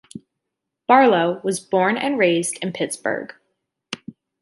Barlow was born and raised in Pittsburgh.